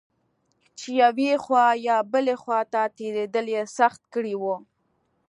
چې یوې خوا یا بلې خوا ته تېرېدل یې سخت کړي و.